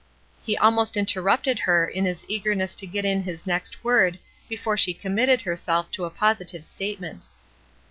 He ahnost interrupted her in his eagerness to get in his next word before she committed her self to a positive statement.